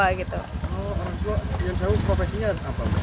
oh orang tua yang jauh profesinya apa